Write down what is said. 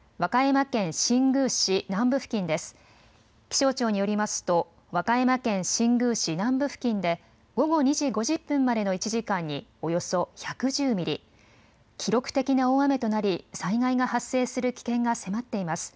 気象庁によりますと和歌山県新宮市南部付近で午後２時５０分までの１時間におよそ１１０ミリ、記録的な大雨となり災害が発生する危険が迫っています。